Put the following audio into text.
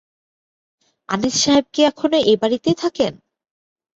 আনিস সাহেব কি এখনো এ-বাড়িতে থাকেন?